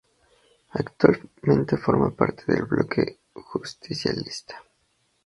Actualmente forma parte del Bloque Justicialista.